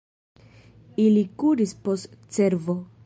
Ili kuris post cervo.